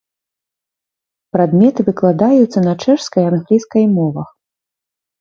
Прадметы выкладаюцца на чэшскай і англійскай мовах.